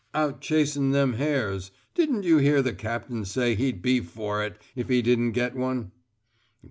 "Out chasing them hares. Didn't you hear the Captain say he'd be for it, if he didn't get one?"